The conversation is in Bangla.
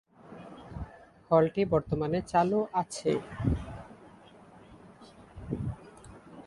হলটি বর্তমানে চালু আছে।